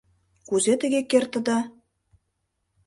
— Кузе тыге кертда?